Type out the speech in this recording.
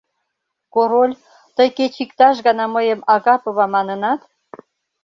Король, тый кеч иктаж гана мыйым Агапова манынат?